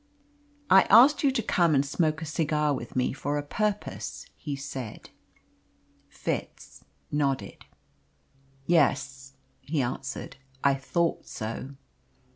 "I asked you to come and smoke a cigar with me for a purpose," he said. Fitz nodded. "Yes," he answered; "I thought so."